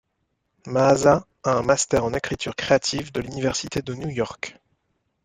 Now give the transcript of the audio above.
Maaza a un master en écriture créative de l'université de New York.